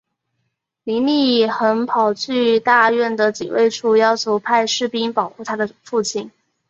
林立衡跑去大院的警卫处要求派士兵保护她的父亲。